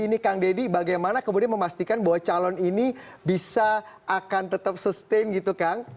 ini kang deddy bagaimana kemudian memastikan bahwa calon ini bisa akan tetap sustain gitu kang